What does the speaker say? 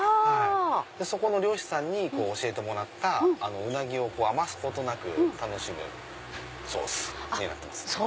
そこの漁師さんに教えてもらったウナギを余すことなく楽しむソースになってます。